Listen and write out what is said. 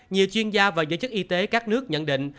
nhiều chuyên gia và giới chức y tế các nước nhận định